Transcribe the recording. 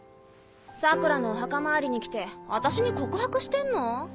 桜良のお墓参りに来て私に告白してんの？